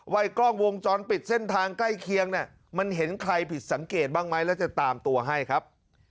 กล้องวงจรปิดเส้นทางใกล้เคียงเนี่ยมันเห็นใครผิดสังเกตบ้างไหมแล้วจะตามตัวให้ครับ